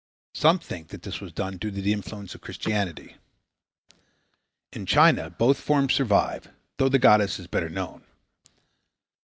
Some think that this was due to the influence of Christianity. In China both forms survive, though the goddess is better known.